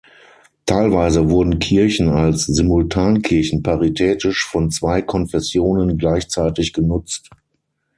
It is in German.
Teilweise wurden Kirchen als Simultankirchen paritätisch von zwei Konfessionen gleichzeitig genutzt.